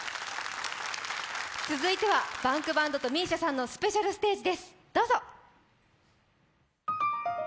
続いてはＢａｎｋＢａｎｄとＭＩＳＩＡさんのスペシャルステージです。